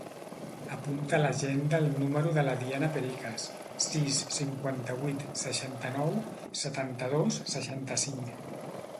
Apunta a l'agenda el número de la Diana Pericas: sis, cinquanta-vuit, seixanta-nou, setanta-dos, seixanta-cinc.